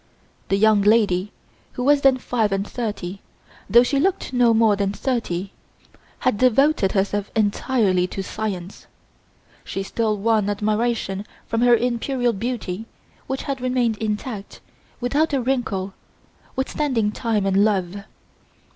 The young lady, who was then five and thirty, though she looked no more than thirty, had devoted herself entirely to science. She still won admiration for her imperial beauty which had remained intact, without a wrinkle, withstanding time and love.